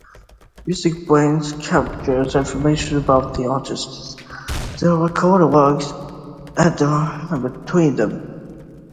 MusicBrainz captures information about artists, their recorded works, and the relationships between them.